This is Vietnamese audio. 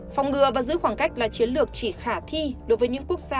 phòng ngừa và giữ khoảng cách là chiến lược chỉ khả thi đối với những quốc gia